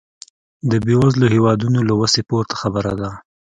د بېوزلو هېوادونو له وسې پورته خبره ده.